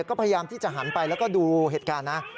ก็พยายามที่จะหันไปแล้วก็ดูเหตุการณ์นะ